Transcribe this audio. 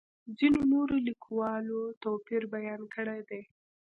ځینو نورو لیکوالو توپیر بیان کړی دی.